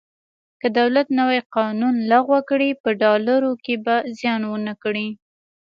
که دولت نوی قانون لغوه کړي په ډالرو کې به زیان ونه کړي.